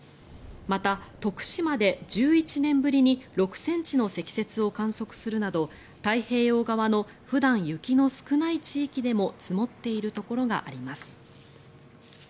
また、徳島で１１年ぶりに６ｃｍの積雪を観測するなど太平洋側の普段、雪の少ない地域でも積もっているところがあります。